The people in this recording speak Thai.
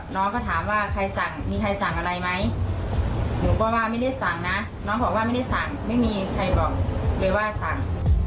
น้องก็ถามว่าใครสั่งมีใครสั่งอะไรไหมหนูก็ว่าไม่ได้สั่งนะน้องบอกว่าไม่ได้สั่งไม่มีใครบอกเลยว่าสั่ง